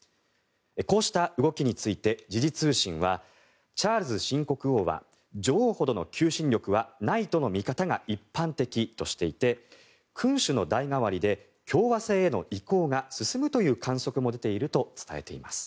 こうした動きについて時事通信はチャールズ新国王は女王ほどの求心力はないとの見方が一般的としていて君主の代替わりで共和制への移行が進むという観測も出ていると伝えています。